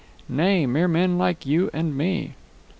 "Nay, mere men like you and me."